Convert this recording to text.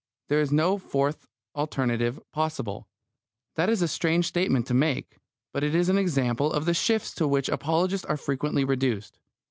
There is no fourth alternative possible." That is a strange statement to make, but it is an example of the shifts to which apologists are frequently reduced.